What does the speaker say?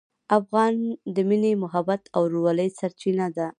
افغان د مینې، محبت او ورورولۍ سرچینه ده.